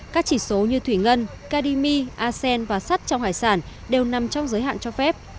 các chỉ số như thủy ngân cadimi asen và sắt trong hải sản đều nằm trong giới hạn cho phép